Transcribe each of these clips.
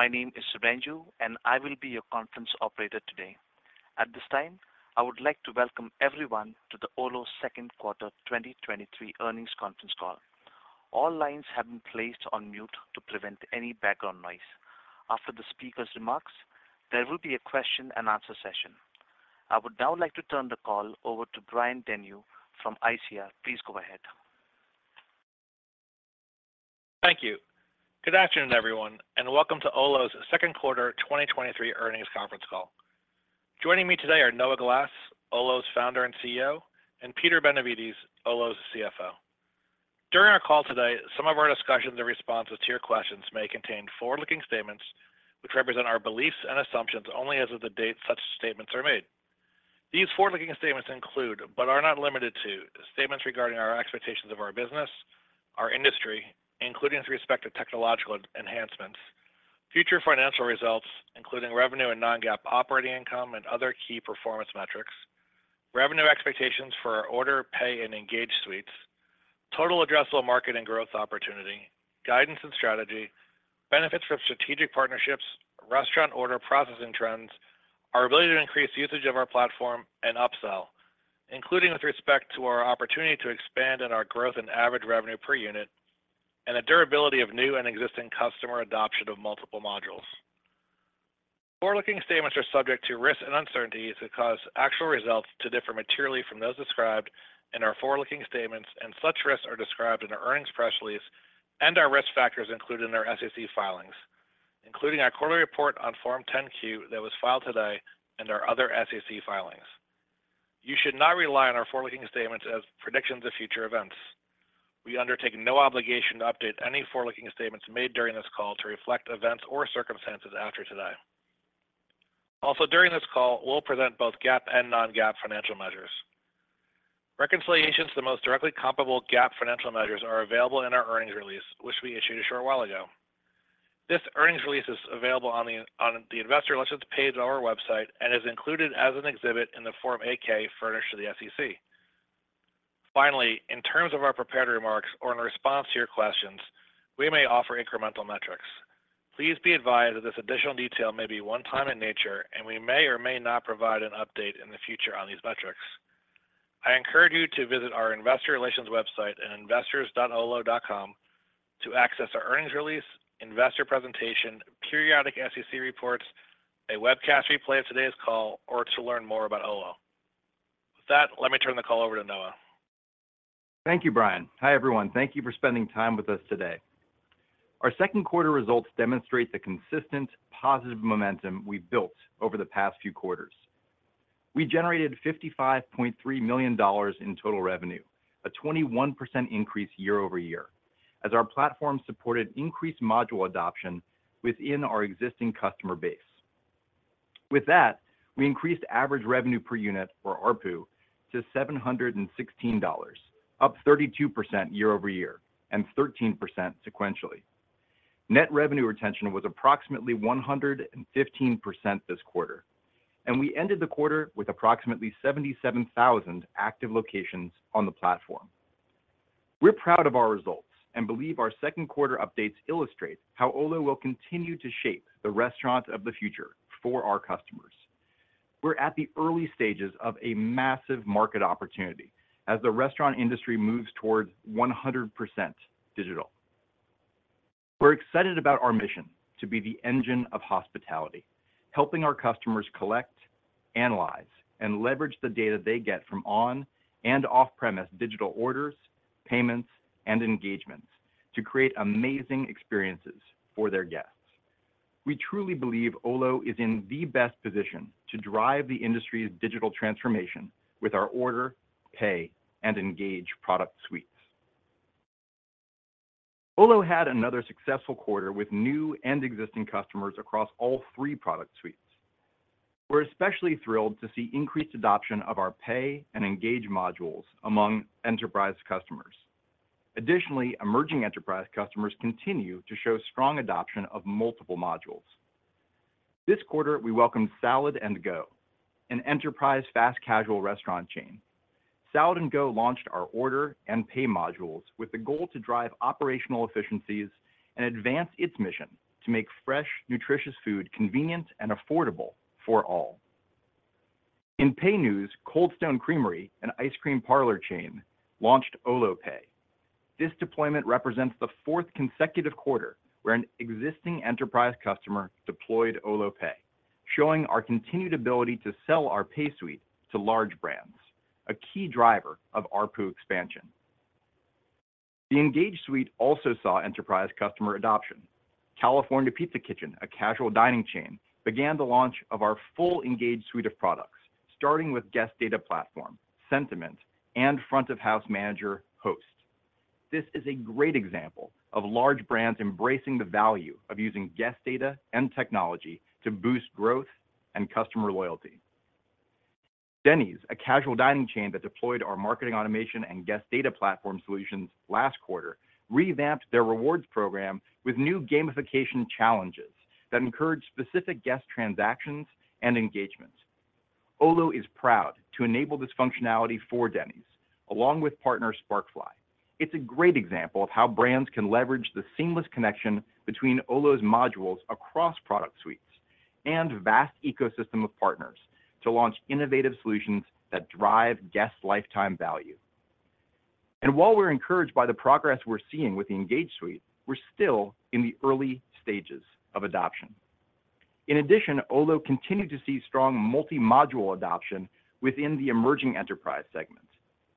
My name is Ranju, and I will be your conference operator today. At this time, I would like to welcome everyone to the Olo Second Quarter 2023 Earnings Conference Call. All lines have been placed on mute to prevent any background noise. After the speaker's remarks, there will be a question-and-answer session. I would now like to turn the call over to Brian Denyeau from ICR. Please go ahead. Thank you. Good afternoon, everyone, and welcome to Olo's Second Quarter 2023 Earnings Conference Call. Joining me today are Noah Glass, Olo's founder and CEO, and Peter Benevides, Olo's CFO. During our call today, some of our discussions and responses to your questions may contain forward-looking statements, which represent our beliefs and assumptions only as of the date such statements are made. These forward-looking statements include, but are not limited to, statements regarding our expectations of our business, our industry, including with respect to technological enhancements, future financial results, including revenue and non-GAAP operating income and other key performance metrics, revenue expectations for our Order, Pay, and Engage Suites, total addressable market and growth opportunity, guidance and strategy, benefits from strategic partnerships, restaurant order processing trends, our ability to increase usage of our platform and upsell, including with respect to our opportunity to expand in our growth and average revenue per unit, and the durability of new and existing customer adoption of multiple modules. Forward-looking statements are subject to risks and uncertainties that cause actual results to differ materially from those described in our forward-looking statements, and such risks are described in our earnings press release and our risk factors included in our SEC filings, including our quarterly report on Form 10-Q that was filed today and our other SEC filings. You should not rely on our forward-looking statements as predictions of future events. We undertake no obligation to update any forward-looking statements made during this call to reflect events or circumstances after today. During this call, we'll present both GAAP and non-GAAP financial measures. Reconciliations to the most directly comparable GAAP financial measures are available in our earnings release, which we issued a short while ago. This earnings release is available on the Investor Relations page on our website and is included as an exhibit in the Form 8-K furnished to the SEC. Finally, in terms of our prepared remarks or in response to your questions, we may offer incremental metrics. Please be advised that this additional detail may be one-time in nature, and we may or may not provide an update in the future on these metrics. I encourage you to visit our Investor Relations website at investors.olo.com to access our earnings release, investor presentation, periodic SEC reports, a webcast replay of today's call, or to learn more about Olo. With that, let me turn the call over to Noah. Thank you, Brian. Hi, everyone. Thank you for spending time with us today. Our second quarter results demonstrate the consistent, positive momentum we've built over the past few quarters. We generated $55.3 million in total revenue, a 21% increase year-over-year, as our platform supported increased module adoption within our existing customer base. With that, we increased average revenue per unit, or ARPU, to $716, up 32% year-over-year and 13% sequentially. Net revenue retention was approximately 115% this quarter, and we ended the quarter with approximately 77,000 active locations on the platform. We're proud of our results and believe our second-quarter updates illustrate how Olo will continue to shape the restaurant of the future for our customers. We're at the early stages of a massive market opportunity as the restaurant industry moves towards 100% digital. We're excited about our mission to be the engine of hospitality, helping our customers collect, analyze, and leverage the data they get from on and off-premise digital orders, payments, and engagements to create amazing experiences for their guests. We truly believe Olo is in the best position to drive the industry's digital transformation with our Order, Pay, and Engage product suites. Olo had another successful quarter with new and existing customers across all three product suites. We're especially thrilled to see increased adoption of our Pay and Engage modules among enterprise customers. Additionally, emerging enterprise customers continue to show strong adoption of multiple modules. This quarter, we welcomed Salad and Go, an enterprise fast casual restaurant chain. Salad and Go launched our Order and Pay modules with the goal to drive operational efficiencies and advance its mission to make fresh, nutritious food convenient and affordable for all. In Pay news, Cold Stone Creamery, an ice cream parlor chain, launched Olo Pay. This deployment represents the fourth consecutive quarter where an existing enterprise customer deployed Olo Pay, showing our continued ability to sell our Pay suite to large brands, a key driver of ARPU expansion. The Engage suite also saw enterprise customer adoption. California Pizza Kitchen, a casual dining chain, began the launch of our full Engage suite of products, starting with Guest Data Platform, Sentiment, and front-of-house manager, Host. This is a great example of large brands embracing the value of using guest data and technology to boost growth and customer loyalty. Denny's, a casual dining chain that deployed our marketing automation and Guest Data Platform solutions last quarter, revamped their rewards program with new gamification challenges that encouraged specific guest transactions and engagements. Olo is proud to enable this functionality for Denny's, along with partner Sparkfly. It's a great example of how brands can leverage the seamless connection between Olo's modules across product suites and vast ecosystem of partners to launch innovative solutions that drive guest lifetime value. While we're encouraged by the progress we're seeing with the Engage suite, we're still in the early stages of adoption. In addition, Olo continued to see strong multi-module adoption within the emerging enterprise segments.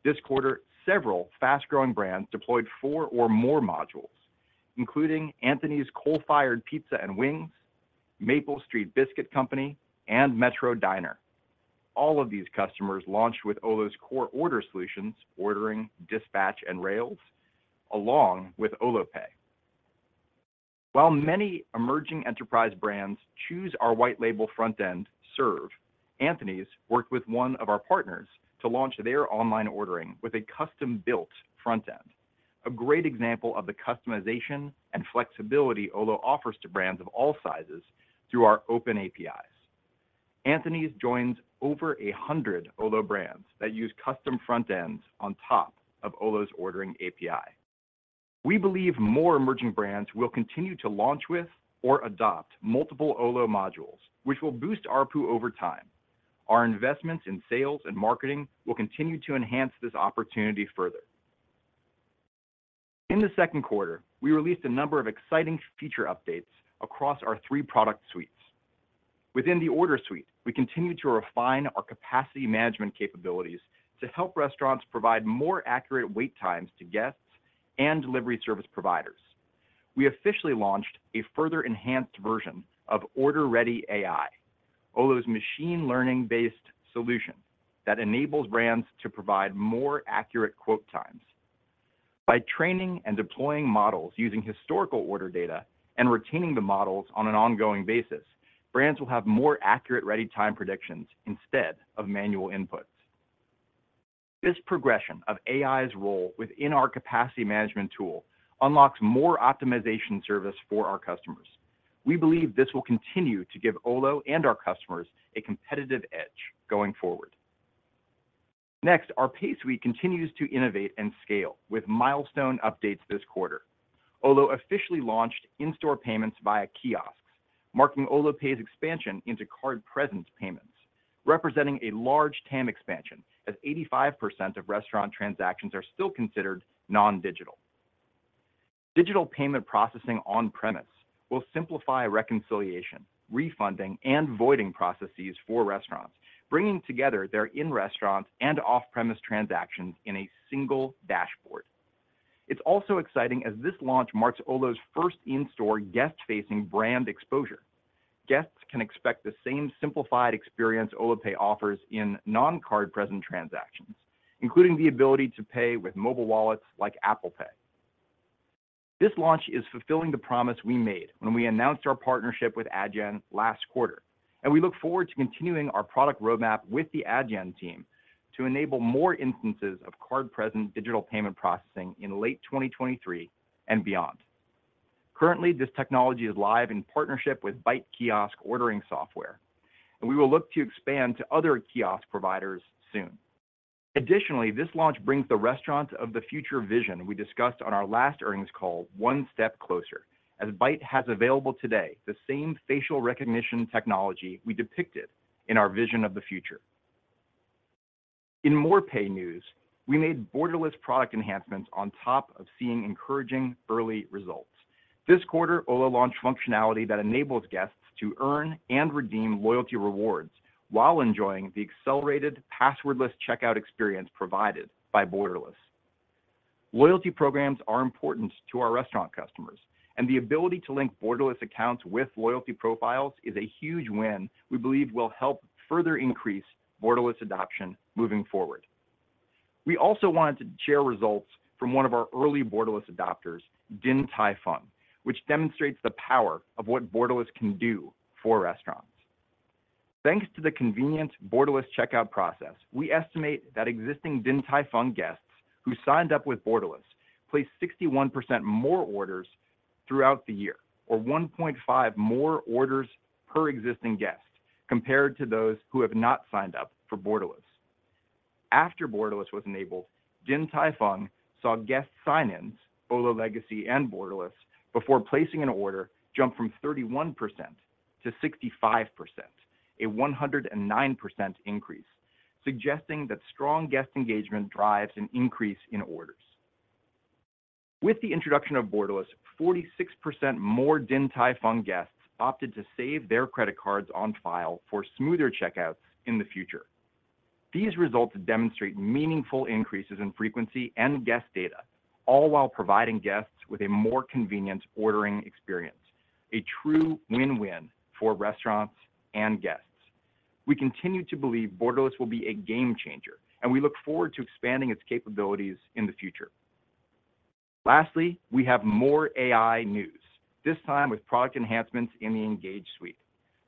This quarter, several fast-growing brands deployed four or more modules, including Anthony's Coal Fired Pizza & Wings, Maple Street Biscuit Company, and Metro Diner. All of these customers launched with Olo's core Order solutions: Ordering, Dispatch, and Rails, along with Olo Pay. While many emerging enterprise brands choose our white-label front end, Serve, Anthony's worked with one of our partners to launch their online ordering with a custom-built front end, a great example of the customization and flexibility Olo offers to brands of all sizes through our open APIs. Anthony's joins over 100 Olo brands that use custom front ends on top of Olo's ordering API. We believe more emerging brands will continue to launch with or adopt multiple Olo modules, which will boost ARPU over time. Our investments in sales and marketing will continue to enhance this opportunity further. In the second quarter, we released a number of exciting feature updates across our three product suites. Within the Order Suite, we continued to refine our capacity management capabilities to help restaurants provide more accurate wait times to guests and delivery service providers. We officially launched a further enhanced version of OrderReady AI, Olo's machine learning-based solution that enables brands to provide more accurate quote times. By training and deploying models using historical order data and retaining the models on an ongoing basis, brands will have more accurate ready time predictions instead of manual inputs. This progression of AI's role within our capacity management tool unlocks more optimization service for our customers. We believe this will continue to give Olo and our customers a competitive edge going forward. Our Pay Suite continues to innovate and scale, with milestone updates this quarter. Olo officially launched in-store payments via kiosks, marking Olo Pay's expansion into card-present payments, representing a large TAM expansion, as 85% of restaurant transactions are still considered non-digital. Digital payment processing on-premise will simplify reconciliation, refunding, and voiding processes for restaurants, bringing together their in-restaurant and off-premise transactions in a single dashboard. It's also exciting as this launch marks Olo's first in-store guest-facing brand exposure. Guests can expect the same simplified experience Olo Pay offers in non-card-present transactions, including the ability to pay with mobile wallets like Apple Pay. This launch is fulfilling the promise we made when we announced our partnership with Adyen last quarter, and we look forward to continuing our product roadmap with the Adyen team to enable more instances of card-present digital payment processing in late 2023 and beyond. Currently, this technology is live in partnership with Bite kiosk ordering software, and we will look to expand to other kiosk providers soon. Additionally, this launch brings the restaurant of the future vision we discussed on our last earnings call one step closer, as Bite has available today the same facial recognition technology we depicted in our vision of the future. In more pay news, we made Borderless product enhancements on top of seeing encouraging early results. This quarter, Olo launched functionality that enables guests to earn and redeem loyalty rewards while enjoying the accelerated, passwordless checkout experience provided by Borderless. Loyalty programs are important to our restaurant customers, and the ability to link Borderless accounts with loyalty profiles is a huge win we believe will help further increase Borderless adoption moving forward. We also wanted to share results from one of our early Borderless adopters, Din Tai Fung, which demonstrates the power of what Borderless can do for restaurants. Thanks to the convenient Borderless checkout process, we estimate that existing Din Tai Fung guests who signed up with Borderless placed 61% more orders throughout the year, or 1.5 more orders per existing guest, compared to those who have not signed up for Borderless. After Borderless was enabled, Din Tai Fung saw guest sign-ins, Olo Legacy and Borderless, before placing an order jump from 31%-65%, a 109% increase, suggesting that strong guest engagement drives an increase in orders. With the introduction of Borderless, 46% more Din Tai Fung guests opted to save their credit cards on file for smoother checkouts in the future. These results demonstrate meaningful increases in frequency and guest data, all while providing guests with a more convenient ordering experience, a true win-win for restaurants and guests. We continue to believe Borderless will be a game changer, and we look forward to expanding its capabilities in the future. Lastly, we have more AI news, this time with product enhancements in the Engage suite.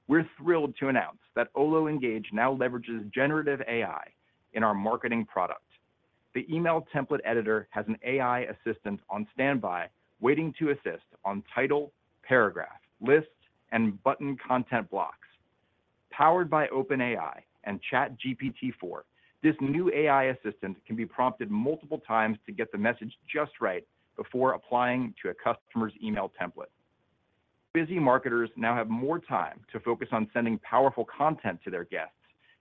We're thrilled to announce that Olo Engage now leverages generative AI in our marketing product. The email template editor has an AI assistant on standby, waiting to assist on title, paragraph, lists, and button content blocks. Powered by OpenAI and ChatGPT-4, this new AI assistant can be prompted multiple times to get the message just right before applying to a customer's email template. Busy marketers now have more time to focus on sending powerful content to their guests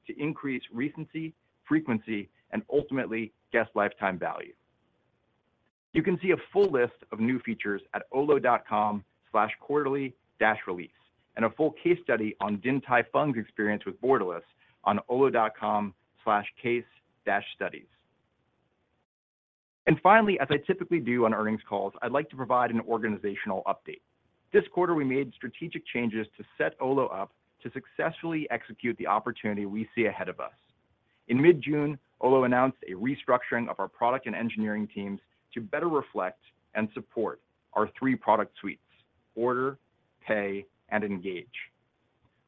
to increase recency, frequency, and ultimately, guest lifetime value. You can see a full list of new features at olo.com/quarterly-release, and a full case study on Din Tai Fung's experience with Borderless on olo.com/case-studies. Finally, as I typically do on earnings calls, I'd like to provide an organizational update. This quarter, we made strategic changes to set Olo up to successfully execute the opportunity we see ahead of us. In mid-June, Olo announced a restructuring of our product and engineering teams to better reflect and support our three product suites: Order, Pay, and Engage.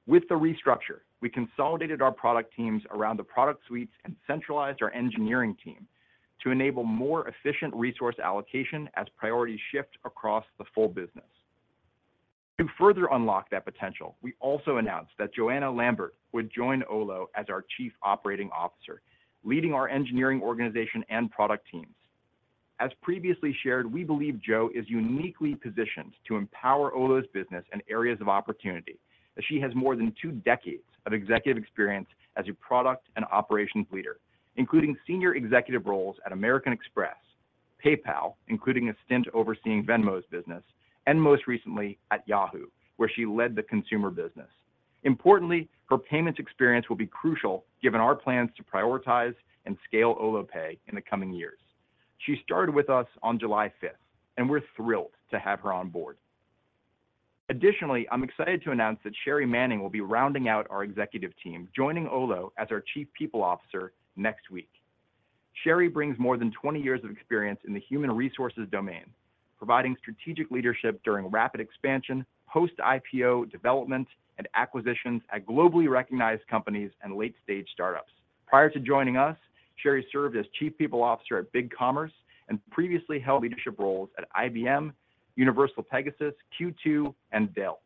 With the restructure, we consolidated our product teams around the product suites and centralized our engineering team to enable more efficient resource allocation as priorities shift across the full business. To further unlock that potential, we also announced that Joanna Lambert would join Olo as our Chief Operating Officer, leading our engineering organization and product teams. As previously shared, we believe Jo is uniquely positioned to empower Olo's business and areas of opportunity, as she has more than two decades of executive experience as a product and operations leader, including senior executive roles at American Express, PayPal, including a stint overseeing Venmo's business, and most recently at Yahoo!, where she led the consumer business. Importantly, her payments experience will be crucial, given our plans to prioritize and scale Olo Pay in the coming years. She started with us on July 5th, and we're thrilled to have her on board. Additionally, I'm excited to announce that Sherri Manning will be rounding out our executive team, joining Olo as our Chief People Officer next week. Sherri brings more than 20 years of experience in the human resources domain, providing strategic leadership during rapid expansion, post-IPO development, and acquisitions at globally recognized companies and late-stage startups. Prior to joining us, Sherri served as Chief People Officer at BigCommerce and previously held leadership roles at IBM, UniversalPegasus, Q2, and Dell.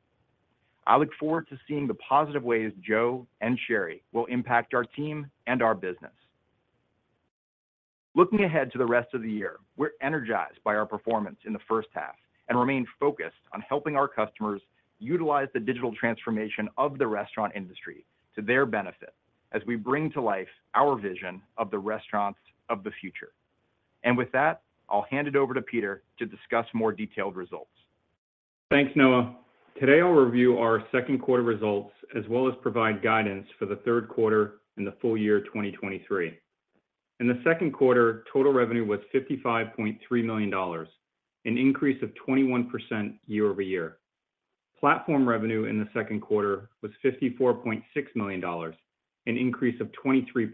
I look forward to seeing the positive ways Jo and Sherri will impact our team and our business. Looking ahead to the rest of the year, we're energized by our performance in the first half and remain focused on helping our customers utilize the digital transformation of the restaurant industry to their benefit as we bring to life our vision of the restaurants of the future. With that, I'll hand it over to Peter to discuss more detailed results. Thanks, Noah. Today, I'll review our second quarter results, as well as provide guidance for the third quarter and the full year 2023. In the second quarter, total revenue was $55.3 million, an increase of 21% year-over-year. Platform revenue in the second quarter was $54.6 million, an increase of 23%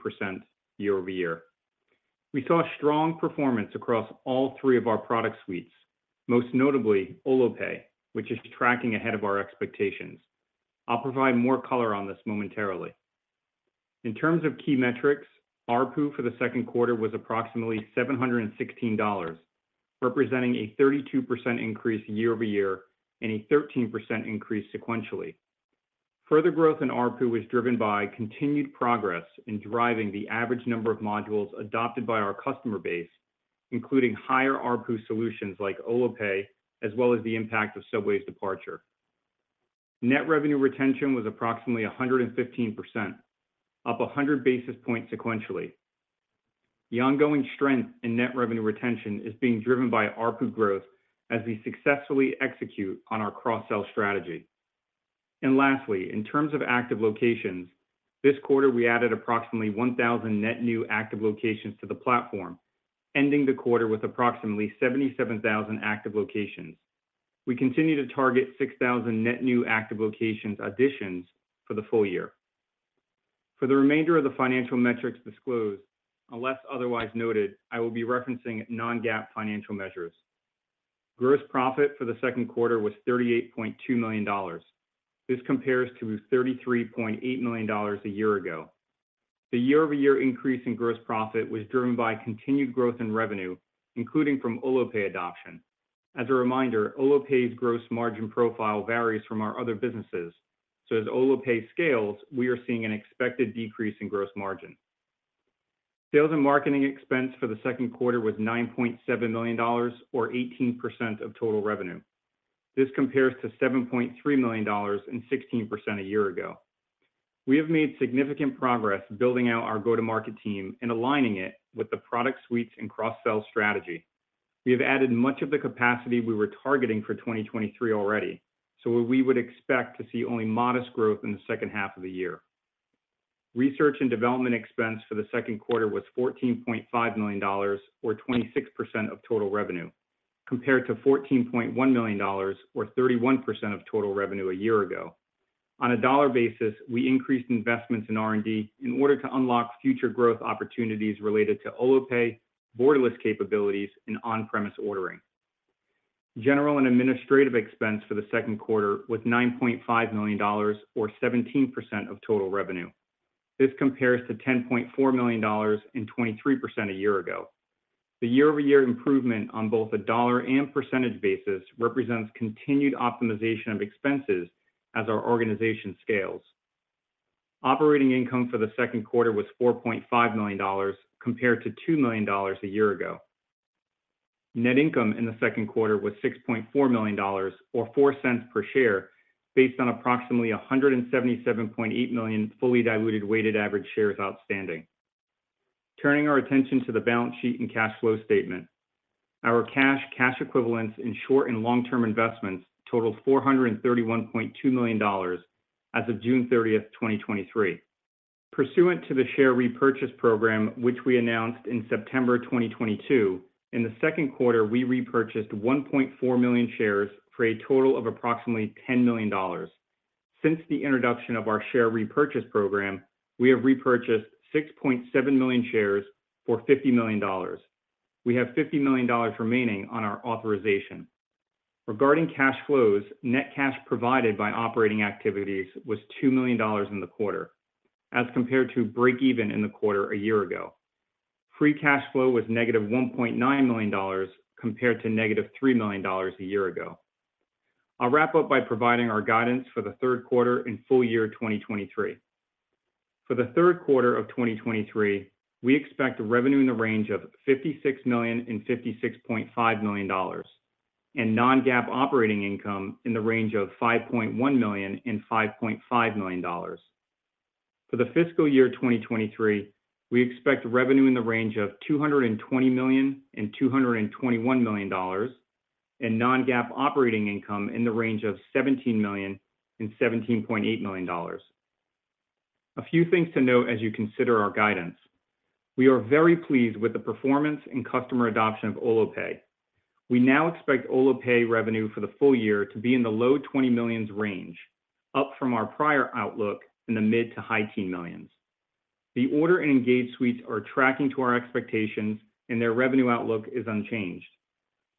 year-over-year. We saw strong performance across all three of our product suites, most notably Olo Pay, which is tracking ahead of our expectations. I'll provide more color on this momentarily. In terms of key metrics, ARPU for the second quarter was approximately $716, representing a 32% increase year-over-year and a 13% increase sequentially. Further growth in ARPU was driven by continued progress in driving the average number of modules adopted by our customer base, including higher ARPU solutions like Olo Pay, as well as the impact of Subway's departure. Net revenue retention was approximately 115%, up 100 basis points sequentially. The ongoing strength in net revenue retention is being driven by ARPU growth as we successfully execute on our cross-sell strategy. Lastly, in terms of active locations, this quarter, we added approximately 1,000 net new active locations to the platform, ending the quarter with approximately 77,000 active locations. We continue to target 6,000 net new active locations additions for the full year. For the remainder of the financial metrics disclosed, unless otherwise noted, I will be referencing non-GAAP financial measures. Gross profit for the second quarter was $38.2 million. This compares to $33.8 million a year ago. The year-over-year increase in gross profit was driven by continued growth in revenue, including from Olo Pay adoption. As a reminder, Olo Pay's gross margin profile varies from our other businesses, so as Olo Pay scales, we are seeing an expected decrease in gross margin. Sales and marketing expense for the second quarter was $9.7 million or 18% of total revenue. This compares to $7.3 million and 16% a year ago. We have made significant progress building out our go-to-market team and aligning it with the product suites and cross-sell strategy. We have added much of the capacity we were targeting for 2023 already, so we would expect to see only modest growth in the second half of the year. Research and development expense for the second quarter was $14.5 million, or 26% of total revenue, compared to $14.1 million, or 31% of total revenue a year ago. On a dollar basis, we increased investments in R&D in order to unlock future growth opportunities related to Olo Pay, Borderless capabilities, and on-premise ordering. General and administrative expense for the second quarter was $9.5 million, or 17% of total revenue. This compares to $10.4 million and 23% a year ago. The year-over-year improvement on both a dollar and percentage basis represents continued optimization of expenses as our organization scales. Operating income for the second quarter was $4.5 million, compared to $2 million a year ago. Net income in the second quarter was $6.4 million, or $0.04 per share, based on approximately 177.8 million fully diluted weighted average shares outstanding. Turning our attention to the balance sheet and cash flow statement. Our cash, cash equivalents in short and long-term investments totaled $431.2 million as of June 30, 2023. Pursuant to the share repurchase program, which we announced in September 2022, in the second quarter, we repurchased 1.4 million shares for a total of approximately $10 million. Since the introduction of our share repurchase program, we have repurchased 6.7 million shares for $50 million. We have $50 million remaining on our authorization. Regarding cash flows, net cash provided by operating activities was $2 million in the quarter, as compared to $0 in the quarter a year ago. Free cash flow was negative $1.9 million, compared to negative $3 million a year ago. I'll wrap up by providing our guidance for the third quarter and full year 2023. For the third quarter of 2023, we expect revenue in the range of $56 million and $56.5 million, and non-GAAP operating income in the range of $5.1 million and $5.5 million. For the fiscal year 2023, we expect revenue in the range of $220 million and $221 million, and non-GAAP operating income in the range of $17 million and $17.8 million. A few things to note as you consider our guidance. We are very pleased with the performance and customer adoption of Olo Pay. We now expect Olo Pay revenue for the full year to be in the $20 million range, up from our prior outlook in the $15 million-$19 million. The Order and Engage suites are tracking to our expectations, and their revenue outlook is unchanged.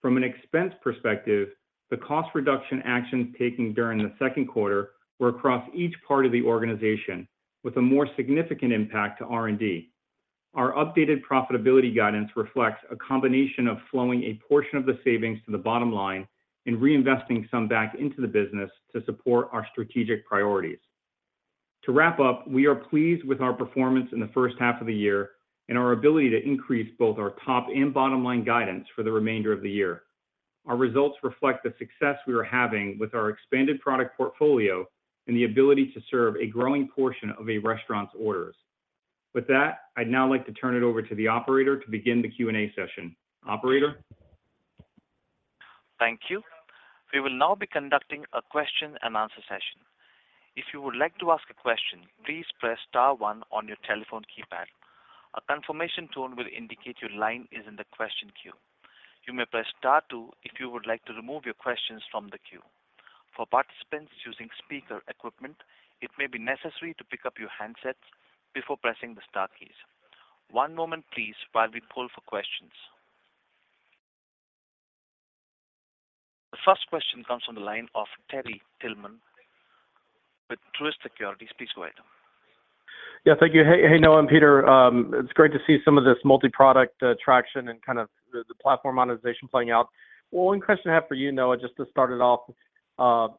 From an expense perspective, the cost reduction actions taken during the second quarter were across each part of the organization, with a more significant impact to R&D. Our updated profitability guidance reflects a combination of flowing a portion of the savings to the bottom line and reinvesting some back into the business to support our strategic priorities. To wrap up, we are pleased with our performance in the first half of the year and our ability to increase both our top and bottom-line guidance for the remainder of the year. Our results reflect the success we are having with our expanded product portfolio and the ability to serve a growing portion of a restaurant's orders. With that, I'd now like to turn it over to the operator to begin the Q&A session. Operator? Thank you. We will now be conducting a question-and-answer session. If you would like to ask a question, please press star one on your telephone keypad. A confirmation tone will indicate your line is in the question queue. You may press star two if you would like to remove your questions from the queue. For participants using speaker equipment, it may be necessary to pick up your handsets before pressing the star keys. One moment, please, while we pull for questions. The first question comes from the line of Terry Tillman with Truist Securities. Please go ahead. Yeah, thank you. Hey, hey, Noah and Peter. It's great to see some of this multi-product traction and kind of the, the platform monetization playing out. Well, one question I have for you, Noah, just to start it off,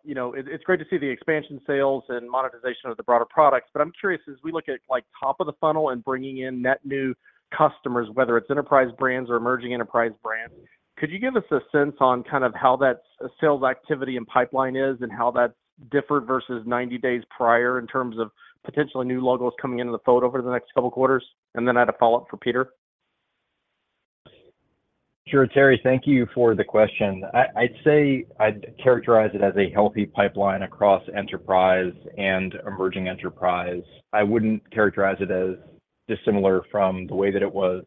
you know, it, it's great to see the expansion sales and monetization of the broader products, but I'm curious, as we look at, like, top of the funnel and bringing in net new customers, whether it's enterprise brands or emerging enterprise brands, could you give us a sense on kind of how that sales activity and pipeline is, and how that's differed versus 90 days prior in terms of potentially new logos coming into the fold over the next couple of quarters? Then I had a follow-up for Peter. Sure, Terry. Thank you for the question. I'd say I'd characterize it as a healthy pipeline across enterprise and emerging enterprise. I wouldn't characterize it as dissimilar from the way that it was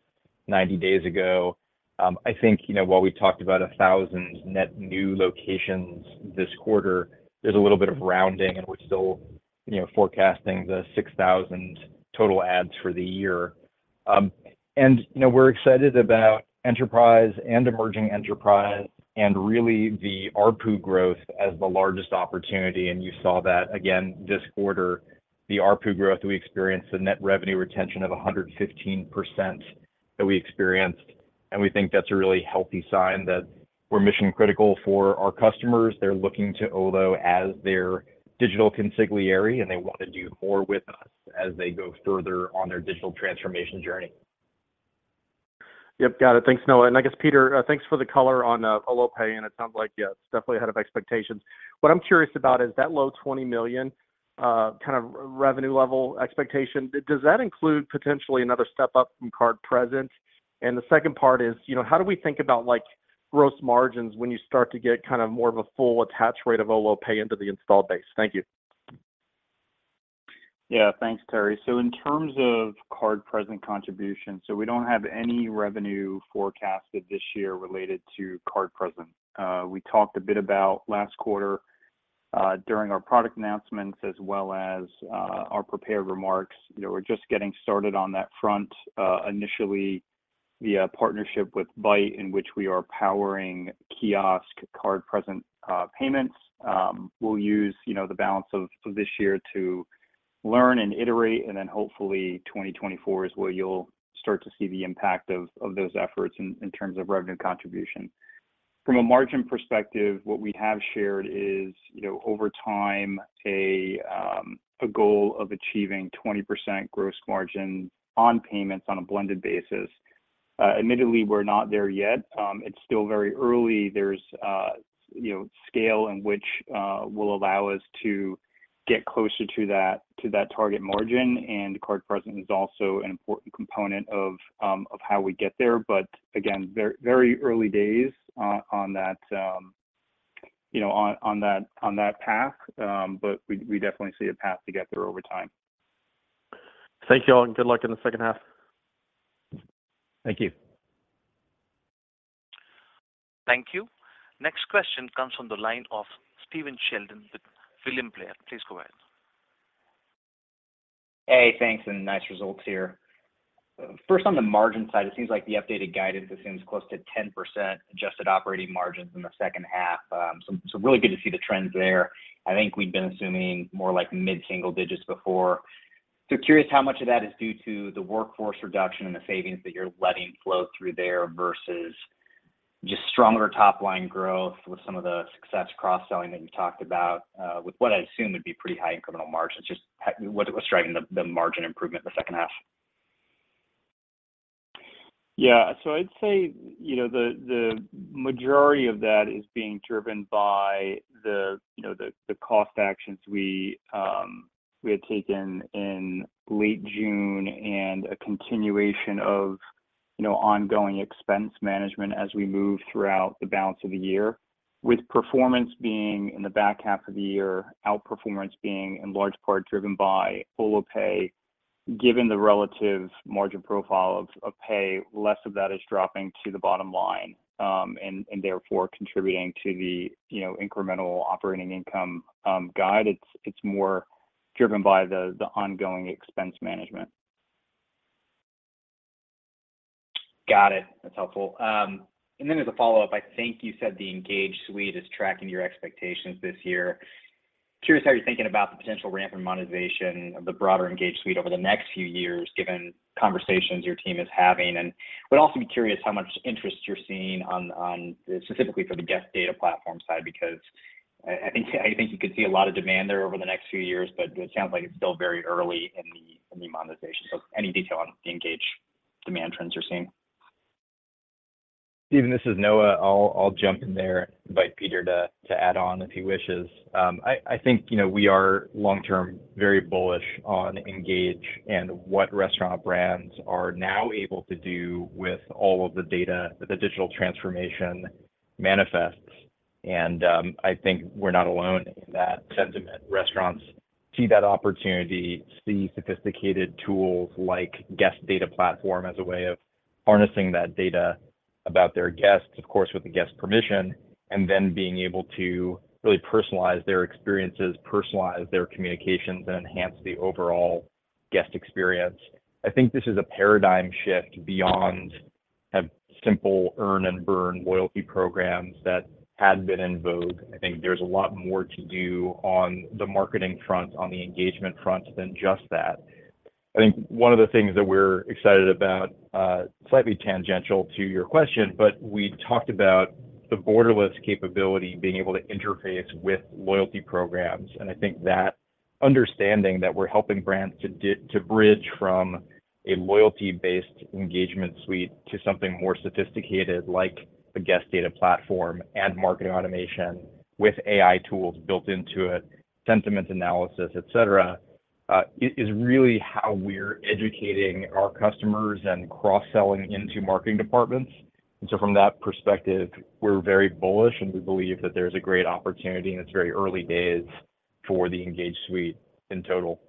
90 days ago. I think, you know, while we talked about 1,000 net new locations this quarter, there's a little bit of rounding, and we're still, you know, forecasting the 6,000 total adds for the year. You know, we're excited about enterprise and emerging enterprise and really the ARPU growth as the largest opportunity, and you saw that again this quarter. The ARPU growth we experienced, the net revenue retention of 115% that we experienced, and we think that's a really healthy sign that we're mission-critical for our customers. They're looking to Olo as their digital consigliere, and they want to do more with us as they go further on their digital transformation journey. Yep, got it. Thanks, Noah, and I guess, Peter, thanks for the color on Olo Pay, and it sounds like, yeah, it's definitely ahead of expectations. What I'm curious about is, that low $20 million kind of revenue level expectation, does that include potentially another step up from card-present? The second part is, you know, how do we think about, like, gross margins when you start to get kind of more of a full attach rate of Olo Pay into the installed base? Thank you. Yeah, thanks, Terry. In terms of card-present contribution, so we don't have any revenue forecasted this year related to card-present. We talked a bit about last quarter.... during our product announcements as well as, our prepared remarks. You know, we're just getting started on that front, initially via a partnership with Bite, in which we are powering kiosk card-present payments. We'll use, you know, the balance of this year to learn and iterate, and then hopefully 2024 is where you'll start to see the impact of those efforts in terms of revenue contribution. From a margin perspective, what we have shared is, you know, over time, a goal of achieving 20% gross margin on payments on a blended basis. Admittedly, we're not there yet. It's still very early. There's, you know, scale in which will allow us to get closer to that, to that target margin, and card-present is also an important component of how we get there. Again, very, very early days on that, you know, on, on that, on that path. We, we definitely see a path to get there over time. Thank you all, and good luck in the second half. Thank you. Thank you. Next question comes from the line of Stephen Sheldon with William Blair. Please go ahead. Hey, thanks, nice results here. First, on the margin side, it seems like the updated guidance assumes close to 10% adjusted operating margins in the second half. So really good to see the trends there. I think we'd been assuming more like mid-single digits before. Curious how much of that is due to the workforce reduction and the savings that you're letting flow through there versus just stronger top-line growth with some of the success cross-selling that you talked about, with what I assume would be pretty high incremental margins, just what was driving the, the margin improvement the second half? Yeah. I'd say, you know, the majority of that is being driven by the, you know, the cost actions we had taken in late June and a continuation of, you know, ongoing expense management as we move throughout the balance of the year, with performance being in the back half of the year, outperformance being in large part driven by Olo Pay. Given the relative margin profile of Olo Pay, less of that is dropping to the bottom line and therefore contributing to the, you know, incremental operating income guide. It's more driven by the ongoing expense management. Got it. That's helpful. Then as a follow-up, I think you said the Engage suite is tracking your expectations this year. Curious how you're thinking about the potential ramp and monetization of the broader Engage suite over the next few years, given conversations your team is having. Would also be curious how much interest you're seeing specifically for the Guest Data Platform side, because I think you could see a lot of demand there over the next few years, but it sounds like it's still very early in the, in the monetization. Any detail on the Engage demand trends you're seeing? Stephen, this is Noah. I'll, I'll jump in there, invite Peter to, to add on if he wishes. I, I think, you know, we are long-term very bullish on Engage and what restaurant brands are now able to do with all of the data that the digital transformation manifests, and, I think we're not alone in that sentiment. Restaurants see that opportunity, see sophisticated tools like Guest Data Platform as a way of harnessing that data about their guests, of course, with the guest permission, and then being able to really personalize their experiences, personalize their communications, and enhance the overall guest experience. I think this is a paradigm shift beyond a simple earn-and-burn loyalty programs that had been in vogue. I think there's a lot more to do on the marketing front, on the engagement front than just that. I think one of the things that we're excited about, slightly tangential to your question, but we talked about the Borderless capability being able to interface with loyalty programs. I think that understanding that we're helping brands to to bridge from a loyalty-based engagement suite to something more sophisticated, like the Guest Data Platform and marketing automation with AI tools built into it, sentiment analysis, et cetera, is, is really how we're educating our customers and cross-selling into marketing departments. So from that perspective, we're very bullish, and we believe that there's a great opportunity, and it's very early days for the Engage suite in total.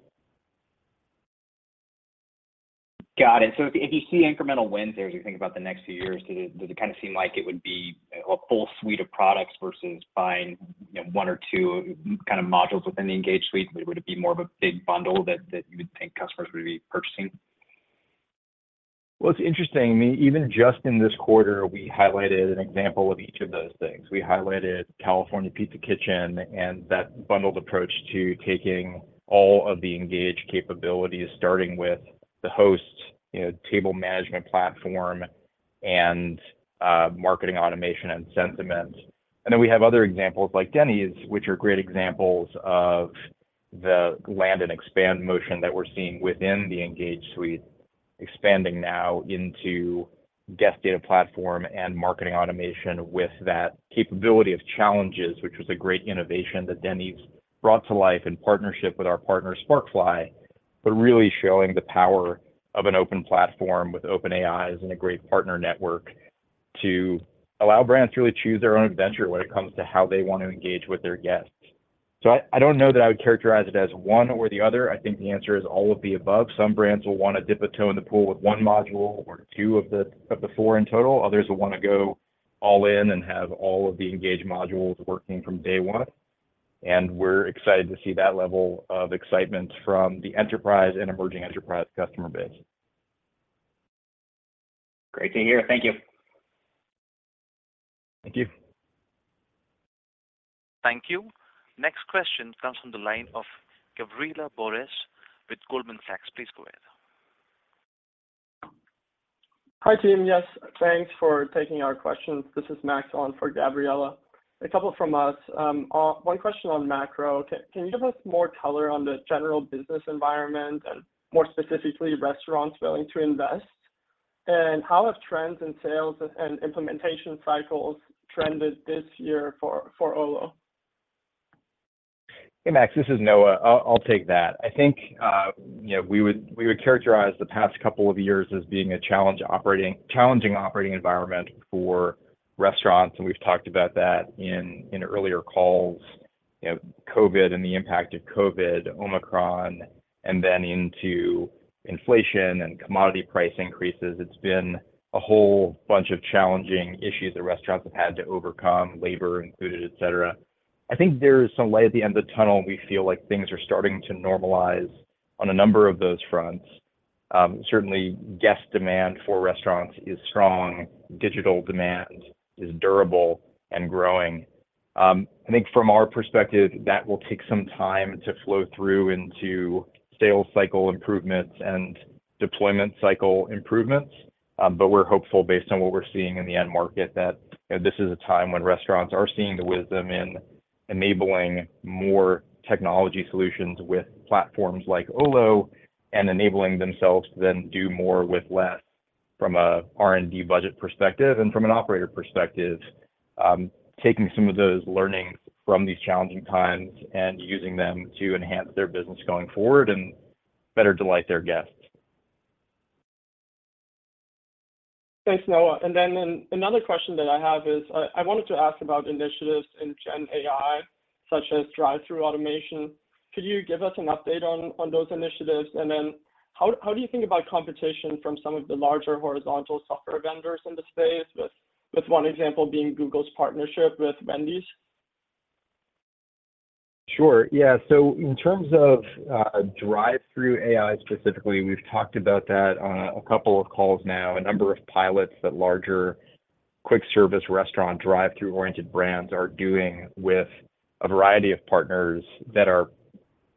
Got it. If, if you see incremental wins there, as you think about the next few years, does it, does it kind of seem like it would be a full suite of products versus buying, you know, one or two kind of modules within the Engage suite? Would it be more of a big bundle that, that you would think customers would be purchasing? Well, it's interesting. I mean, even just in this quarter, we highlighted an example of each of those things. We highlighted California Pizza Kitchen and that bundled approach to taking all of the Engage capabilities, starting with the Host, you know, table management platform and marketing automation and sentiment. Then we have other examples, like Denny's, which are great examples of the land and expand motion that we're seeing within the Engage suite, expanding now into Guest Data Platform and marketing automation with that capability of challenges, which was a great innovation that Denny's brought to life in partnership with our partner, Sparkfly. Really showing the power of an open platform with open APIs and a great partner network to allow brands to really choose their own adventure when it comes to how they want to engage with their guests. I, I don't know that I would characterize it as one or the other. I think the answer is all of the above. Some brands will want to dip a toe in the pool with one module or two of the, of the four in total. Others will want to go all in and have all of the Engage modules working from day 1. We're excited to see that level of excitement from the enterprise and emerging enterprise customer base. Great to hear. Thank you. Thank you. Thank you. Next question comes from the line of Gabriela Borges with Goldman Sachs. Please go ahead. Hi, team. Yes, thanks for taking our questions. This is Max on for Gabriela. A couple from us. One question on macro. Can, can you give us more color on the general business environment and more specifically, restaurants willing to invest? How have trends in sales and, and implementation cycles trended this year for, for Olo? Hey, Max, this is Noah. I'll, I'll take that. I think, you know, we would, we would characterize the past couple of years as being a challenging operating environment for restaurants, and we've talked about that in, in earlier calls. You know, COVID and the impact of COVID, Omicron, and then into inflation and commodity price increases. It's been a whole bunch of challenging issues that restaurants have had to overcome, labor included, et cetera. I think there is some light at the end of the tunnel, and we feel like things are starting to normalize on a number of those fronts. Certainly, guest demand for restaurants is strong. Digital demand is durable and growing. I think from our perspective, that will take some time to flow through into sales cycle improvements and deployment cycle improvements. We're hopeful, based on what we're seeing in the end market, that, you know, this is a time when restaurants are seeing the wisdom in enabling more technology solutions with platforms like Olo, and enabling themselves to then do more with less from a R&D budget perspective. From an operator perspective, taking some of those learnings from these challenging times and using them to enhance their business going forward and better delight their guests. Thanks, Noah. Then another question that I have is, I wanted to ask about initiatives in GenAI, such as drive-through automation. Could you give us an update on, on those initiatives? Then how, how do you think about competition from some of the larger horizontal software vendors in the space, with, with one example being Google's partnership with Wendy's? Sure. Yeah, so in terms of drive-thru AI specifically, we've talked about that on a couple of calls now. A number of pilots that larger quick-service restaurant, drive-thru-oriented brands are doing with a variety of partners that are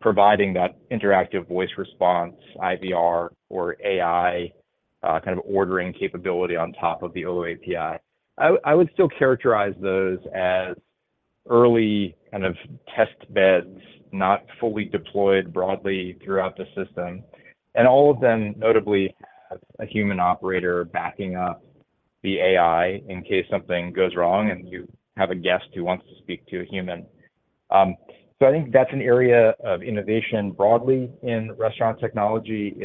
providing that interactive voice response, IVR or AI, kind of ordering capability on top of the Olo API. I, I would still characterize those as early kind of test beds, not fully deployed broadly throughout the system, and all of them notably have a human operator backing up the AI in case something goes wrong, and you have a guest who wants to speak to a human. I think that's an area of innovation broadly in restaurant technology.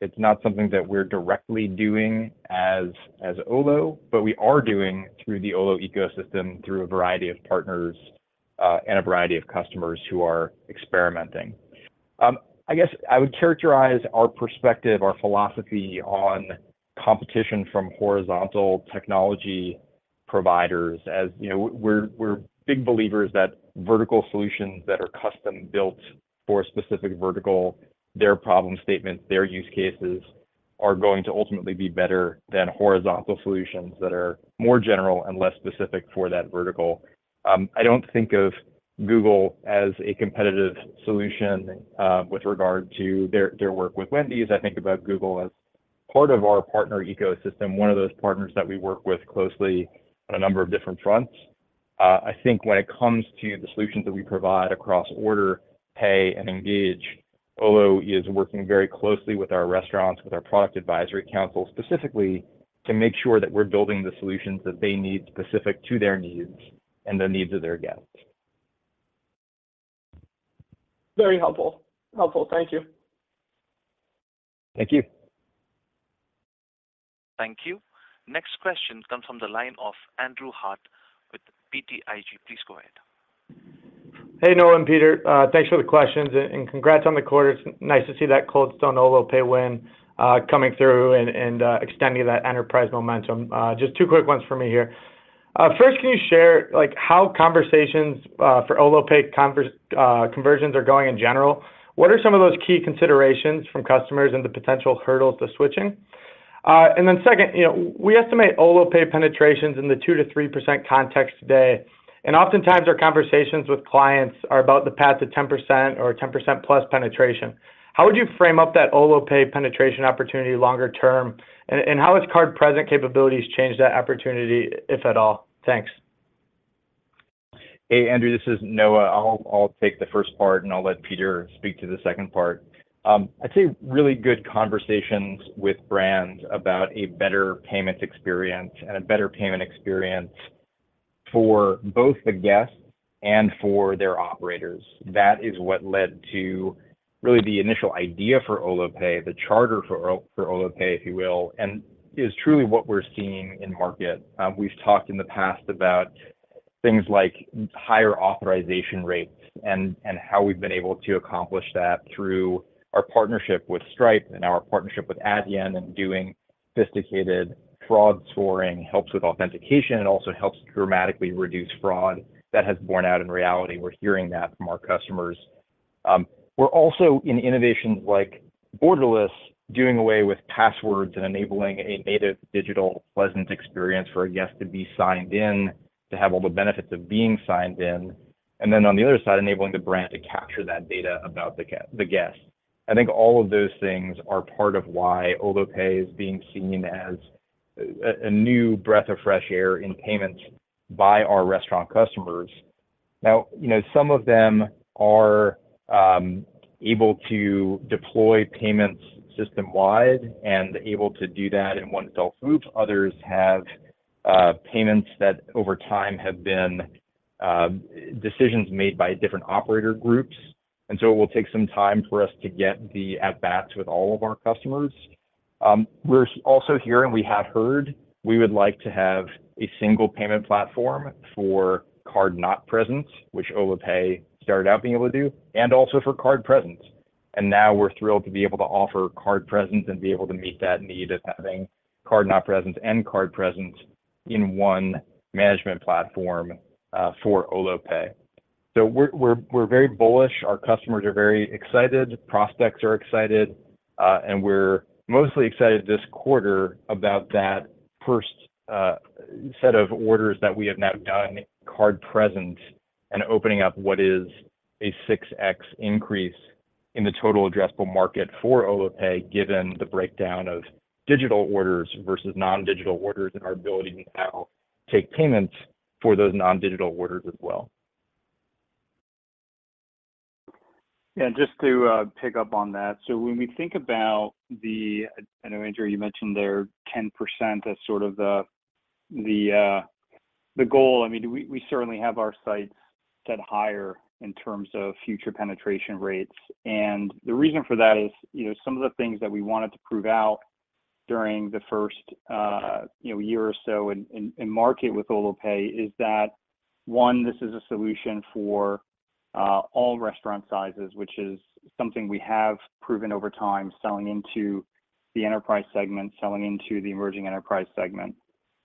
It's not something that we're directly doing as Olo, but we are doing through the Olo ecosystem, through a variety of partners, and a variety of customers who are experimenting. I guess I would characterize our perspective, our philosophy on competition from horizontal technology providers. As you know, we're big believers that vertical solutions that are custom-built for a specific vertical, their problem statement, their use cases, are going to ultimately be better than horizontal solutions that are more general and less specific for that vertical. I don't think of Google as a competitive solution, with regard to their work with Wendy's. I think about Google as part of our partner ecosystem, one of those partners that we work with closely on a number of different fronts. I think when it comes to the solutions that we provide across Order, Pay, and Engage, Olo is working very closely with our restaurants, with our Product Advisory Council, specifically to make sure that we're building the solutions that they need, specific to their needs and the needs of their guests. Very helpful. Helpful. Thank you. Thank you. Thank you. Next question comes from the line of Andrew Harte with BTIG. Please go ahead. Hey, Noah and Peter, thanks for the questions, and congrats on the quarter. It's nice to see that Cold Stone Olo Pay win coming through and extending that enterprise momentum. Just two quick ones for me here. First, can you share, like, how conversations for Olo Pay conversions are going in general? What are some of those key considerations from customers and the potential hurdles to switching? Second, you know, we estimate Olo Pay penetration's in the 2%-3% context today, and oftentimes our conversations with clients are about the path to 10% or 10%+ penetration. How would you frame up that Olo Pay penetration opportunity longer term, and how has card-present capabilities changed that opportunity, if at all? Thanks. Hey, Andrew, this is Noah. I'll, I'll take the first part, and I'll let Peter speak to the second part. I'd say really good conversations with brands about a better payments experience and a better payment experience for both the guests and for their operators. That is what led to really the initial idea for Olo Pay, the charter for Olo Pay, if you will, and is truly what we're seeing in market. We've talked in the past about things like higher authorization rates and how we've been able to accomplish that through our partnership with Stripe and our partnership with Adyen, sophisticated fraud scoring helps with authentication and also helps dramatically reduce fraud. That has borne out in reality, we're hearing that from our customers. We're also in innovations like Borderless, doing away with passwords and enabling a native digital pleasant experience for a guest to be signed in, to have all the benefits of being signed in, and then on the other side, enabling the brand to capture that data about the guest. I think all of those things are part of why Olo Pay is being seen as a new breath of fresh air in payments by our restaurant customers. Now, you know, some of them are able to deploy payments system-wide and able to do that in one fell swoop. Others have payments that over time have been decisions made by different operator groups, and so it will take some time for us to get the add-backs with all of our customers. We're also hearing, we have heard we would like to have a single payment platform for card-not-present, which Olo Pay started out being able to do, and also for card-present. Now we're thrilled to be able to offer card-present and be able to meet that need of having card-not-present and card-present in one management platform for Olo Pay. We're, we're, we're very bullish. Our customers are very excited, prospects are excited, and we're mostly excited this quarter about that first set of orders that we have now done card-present and opening up what is a 6x increase in the total addressable market for Olo Pay, given the breakdown of digital orders versus non-digital orders, and our ability to now take payments for those non-digital orders as well. Yeah, just to pick up on that: so when we think about the... I know, Stephen, you mentioned there 10% as sort of the, the goal. I mean, we, we certainly have our sights set higher in terms of future penetration rates. The reason for that is, you know, some of the things that we wanted to prove out during the first, you know, year or so in, in, in market with Olo Pay, is that one, this is a solution for all restaurant sizes, which is something we have proven over time, selling into the enterprise segment, selling into the emerging enterprise segment.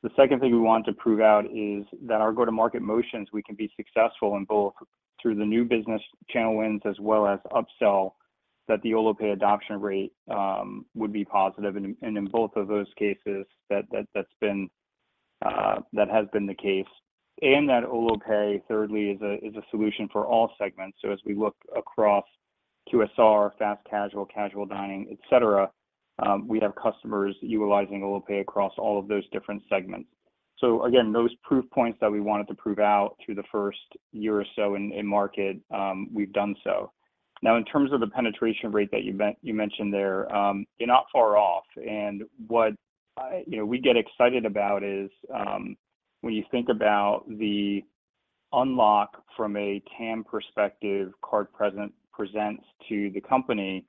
The second thing we want to prove out is that our go-to-market motions, we can be successful in both through the new business channel wins as well as upsell, that the Olo Pay adoption rate would be positive. And in both of those cases, that, that's been, that has been the case. That Olo Pay, thirdly, is a, is a solution for all segments. As we look across QSR, fast casual, casual dining, et cetera, we have customers utilizing Olo Pay across all of those different segments. Again, those proof points that we wanted to prove out through the first year or so in, in market, we've done so. Now, in terms of the penetration rate that you me- you mentioned there, you're not far off. What, you know, we get excited about is, when you think about the unlock from a TAM perspective, card-present presents to the company,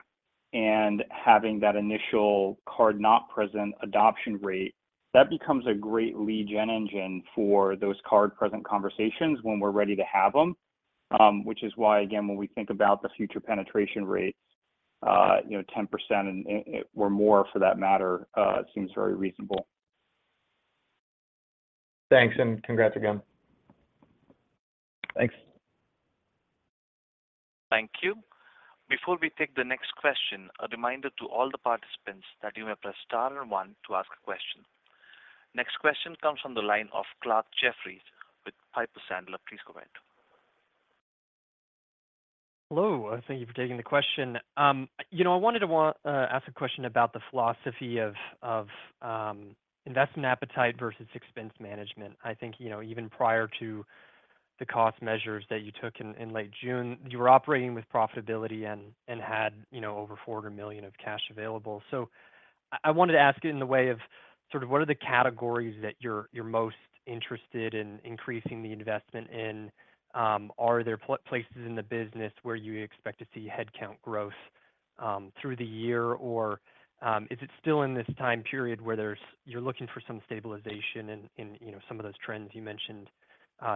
and having that initial card-not-present adoption rate, that becomes a great lead gen engine for those card-present conversations when we're ready to have them. Which is why, again, when we think about the future penetration rates, you know, 10% and, and or more for that matter, seems very reasonable. Thanks. Congrats again. Thanks. Thank you. Before we take the next question, a reminder to all the participants that you may press star one to ask a question. Next question comes from the line of Clarke Jeffries with Piper Sandler. Please go ahead. Hello, thank you for taking the question. You know, I wanted to ask a question about the philosophy of, of investment appetite versus expense management. I think, you know, even prior to the cost measures that you took in, in late June, you were operating with profitability and, and had, you know, over $400 million of cash available. I, I wanted to ask it in the way of sort of what are the categories that you're, you're most interested in increasing the investment in? Are there places in the business where you expect to see headcount growth through the year? Or is it still in this time period where there's, you're looking for some stabilization in, in, you know, some of those trends you mentioned,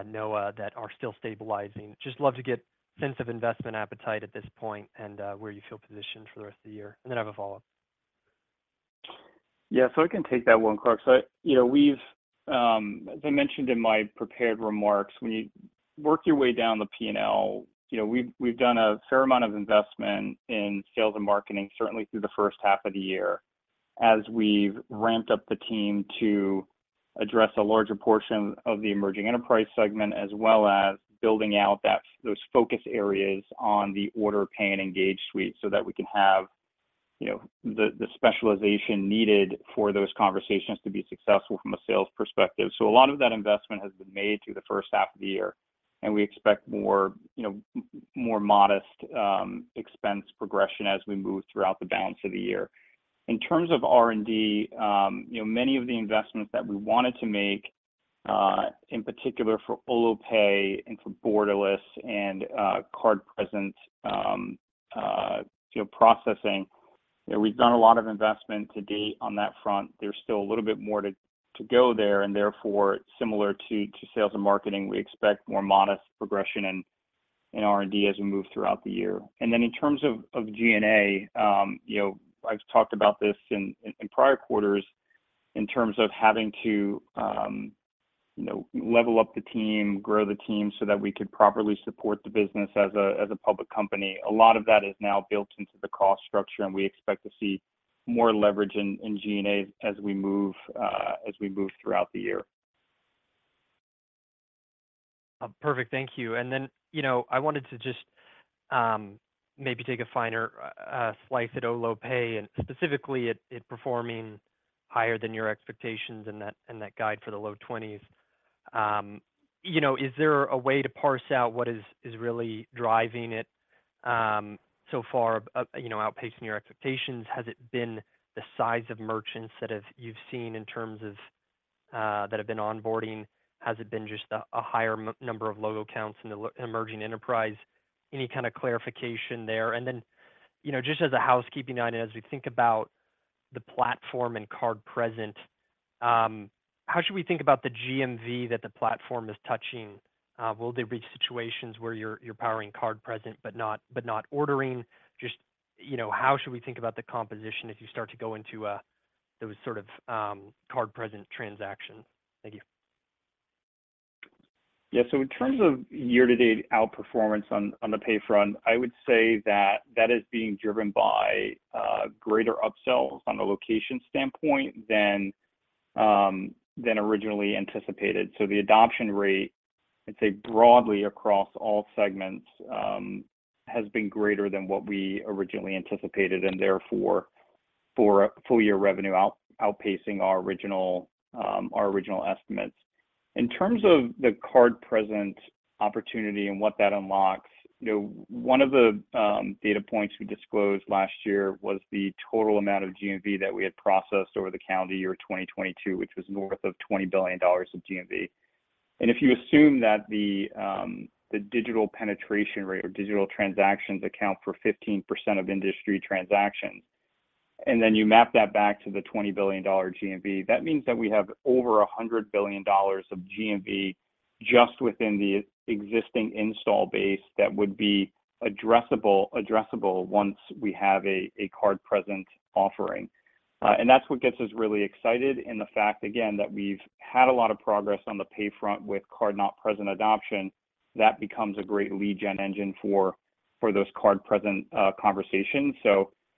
Noah, that are still stabilizing? Just love to get a sense of investment appetite at this point and, where you feel positioned for the rest of the year. Then I have a follow-up. Yeah, so I can take that one, Clarke. You know, we've, as I mentioned in my prepared remarks, when you work your way down the P&L, you know, we've, we've done a fair amount of investment in sales and marketing, certainly through the first half of the year, as we've ramped up the team to address a larger portion of the emerging enterprise segment, as well as building out that, those focus areas on the Order Pay and Engage suite so that we can have, you know, the, the specialization needed for those conversations to be successful from a sales perspective. A lot of that investment has been made through the first half of the year, and we expect more, you know, more modest expense progression as we move throughout the balance of the year. In terms of R&D, you know, many of the investments that we wanted to make, in particular for Olo Pay and for Borderless and, card-present, you know, processing, you know, we've done a lot of investment to date on that front. There's still a little bit more to, to go there, and therefore, similar to, to sales and marketing, we expect more modest progression in R&D as we move throughout the year. In terms of, of G&A, you know, I've talked about this in, in, in prior quarters in terms of having to, you know, level up the team, grow the team, so that we could properly support the business as a, as a public company. A lot of that is now built into the cost structure, and we expect to see more leverage in G&A as we move, as we move throughout the year. Perfect. Thank you. Then, you know, I wanted to just maybe take a finer slice at Olo Pay, and specifically at it performing higher than your expectations, and that, and that guide for the low 20s. You know, is there a way to parse out what is, is really driving it so far, you know, outpacing your expectations? Has it been the size of merchants that you've seen in terms of that have been onboarding? Has it been just a higher number of logo counts in the emerging enterprise? Any kind of clarification there? Then, you know, just as a housekeeping item, as we think about the platform and card present, how should we think about the GMV that the platform is touching? Will there be situations where you're, you're powering card-present but not, but not ordering? Just, you know, how should we think about the composition as you start to go into, those sort of, card-present transactions? Thank you. Yeah. In terms of year-to-date outperformance on, on the pay front, I would say that that is being driven by greater upsells on the location standpoint than originally anticipated. The adoption rate, I'd say, broadly across all segments, has been greater than what we originally anticipated, and therefore, for a full year revenue outpacing our original estimates. In terms of the card-present opportunity and what that unlocks, you know, one of the data points we disclosed last year was the total amount of GMV that we had processed over the calendar year 2022, which was north of $20 billion of GMV. If you assume that the digital penetration rate or digital transactions account for 15% of industry transactions, and then you map that back to the $20 billion GMV, that means that we have over $100 billion of GMV just within the existing install base that would be addressable, addressable once we have a card-present offering. That's what gets us really excited, and the fact again, that we've had a lot of progress on the pay front with card-not-present adoption. That becomes a great lead gen engine for those card-present conversations.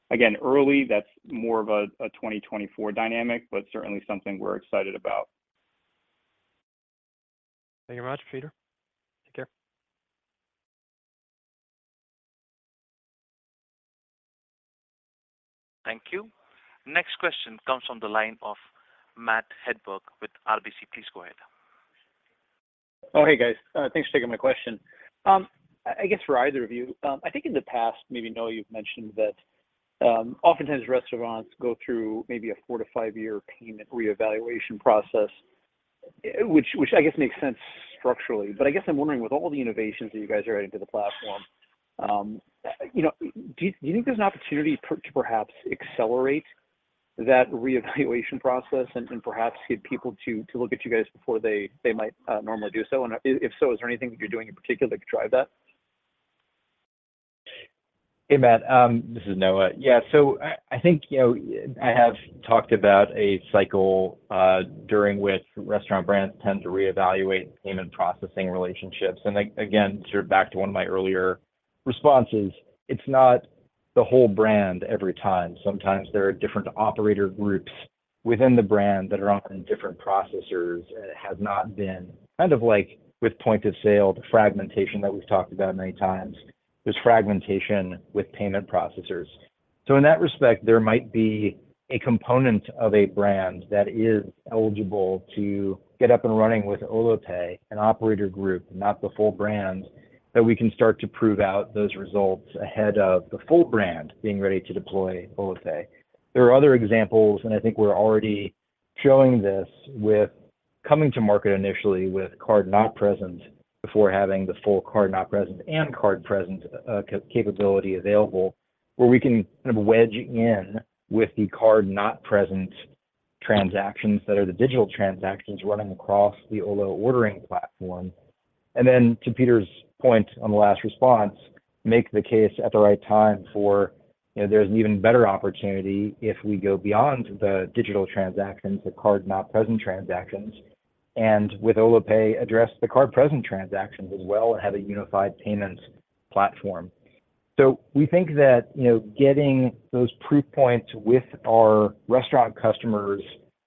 Again, early, that's more of a 2024 dynamic, but certainly something we're excited about. Thank you much, Peter. Take care. Thank you. Next question comes from the line of Matt Hedberg with RBC. Please go ahead. Hey, guys. Thanks for taking my question. I guess, for either of you, I think in the past, maybe, Noah, you've mentioned that, oftentimes restaurants go through maybe a four to five-year payment reevaluation process, which, which I guess makes sense structurally. I guess I'm wondering, with all the innovations that you guys are adding to the platform, you know, do you think there's an opportunity to perhaps accelerate that reevaluation process and, and perhaps get people to, to look at you guys before they, they might normally do so? If so, is there anything that you're doing in particular that could drive that? Hey, Matt, this is Noah. Yeah. I, I think, you know, I have talked about a cycle during which restaurant brands tend to reevaluate payment processing relationships. Again, sort of back to one of my earlier responses, it's not the whole brand every time. Sometimes there are different operator groups within the brand that are on different processors, and it has not been kind of like with point of sale, the fragmentation that we've talked about many times. There's fragmentation with payment processors. In that respect, there might be a component of a brand that is eligible to get up and running with Olo Pay, an operator group, not the full brand, that we can start to prove out those results ahead of the full brand being ready to deploy Olo Pay. There are other examples, and I think we're already showing this with coming to market initially with card-not-present, before having the full card-not-present and card-present capability available, where we can kind of wedge in with the card-not-present transactions that are the digital transactions running across the Olo ordering platform. Then to Peter's point on the last response, make the case at the right time for, you know, there's an even better opportunity if we go beyond the digital transactions, the card-not-present transactions, and with Olo Pay, address the card-present transactions as well and have a unified payment platform. We think that, you know, getting those proof points with our restaurant customers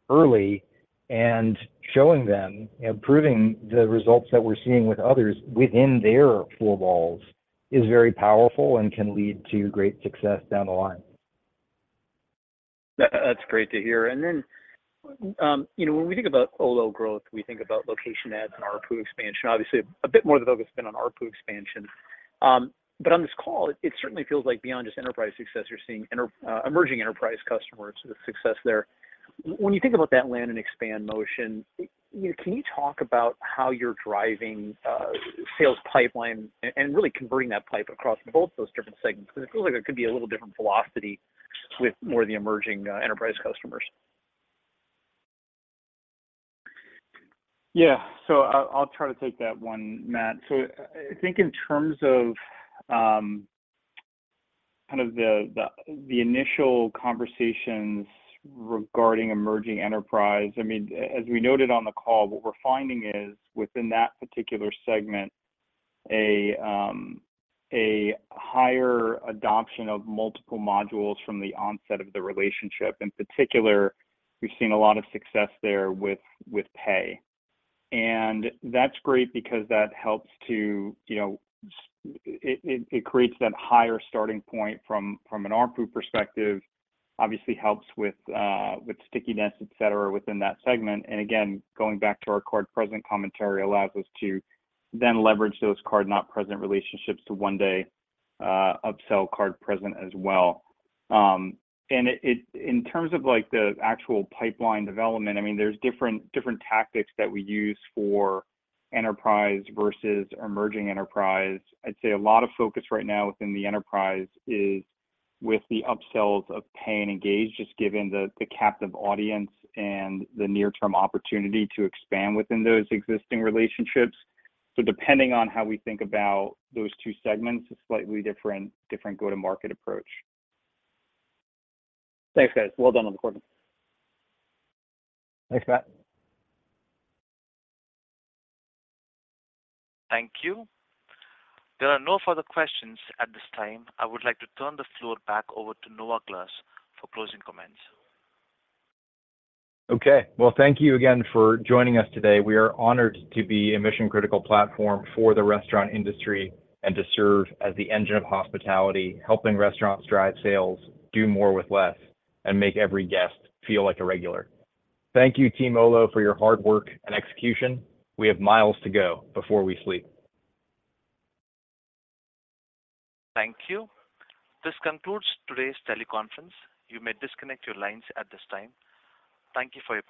early and showing them and proving the results that we're seeing with others within their four walls, is very powerful and can lead to great success down the line. That's great to hear. Then, you know, when we think about Olo growth, we think about location ads and ARPU expansion. Obviously, a bit more of the focus has been on ARPU expansion. On this call, it certainly feels like beyond just enterprise success, you're seeing emerging enterprise customers, the success there. When you think about that land and expand motion, you know, can you talk about how you're driving sales pipeline and really converting that pipe across both those different segments? It feels like there could be a little different velocity with more of the emerging enterprise customers. Yeah, I'll, I'll try to take that one, Matt. I, I think in terms of, kind of the, the, the initial conversations regarding emerging enterprise, I mean, as we noted on the call, what we're finding is within that particular segment, a higher adoption of multiple modules from the onset of the relationship. In particular, we've seen a lot of success there with, with Pay. That's great because that helps to, you know, it creates that higher starting point from, from an ARPU perspective, obviously helps with, with stickiness, et cetera, within that segment. Again, going back to our card present commentary, allows us to then leverage those card not present relationships to one day, upsell card present as well. In terms of, like, the actual pipeline development, I mean, there's different, different tactics that we use for enterprise versus emerging enterprise. I'd say a lot of focus right now within the enterprise is with the upsells of Pay and Engage, just given the, the captive audience and the near-term opportunity to expand within those existing relationships. Depending on how we think about those two segments, a slightly different, different go-to-market approach. Thanks, guys. Well done on the quarter. Thanks, Matt. Thank you. There are no further questions at this time. I would like to turn the floor back over to Noah Glass for closing comments. Okay. Well, thank you again for joining us today. We are honored to be a mission-critical platform for the restaurant industry and to serve as the engine of hospitality, helping restaurants drive sales, do more with less, and make every guest feel like a regular. Thank you, Team Olo, for your hard work and execution. We have miles to go before we sleep. Thank you. This concludes today's teleconference. You may disconnect your lines at this time. Thank you for your participation.